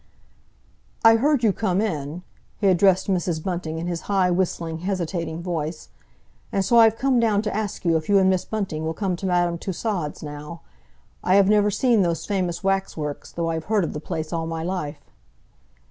"I heard you come in"—he addressed Mrs. Bunting in his high, whistling, hesitating voice—"and so I've come down to ask you if you and Miss Bunting will come to Madame Tussaud's now. I have never seen those famous waxworks, though I've heard of the place all my life."